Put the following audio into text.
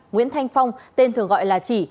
nguyễn thanh phong tên thường gọi là chỉ